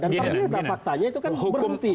dan pak sari ya faktanya itu kan berhenti